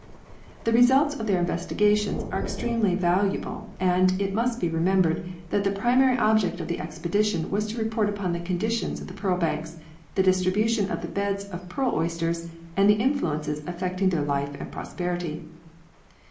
The results of their investigations 1 are extremely valuable, and it must be remembered that the primary object of the expedition was to report upon the conditions of the pearl banks, the distribution of the beds of pearl oysters and the influences affecting their life and prosperity.